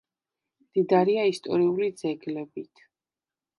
მდიდარია ისტორიული ძეგლებით.